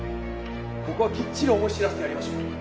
ここはきっちり思い知らせてやりましょう。